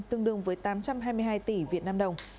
cùng với tám trăm hai mươi hai tỷ việt nam đồng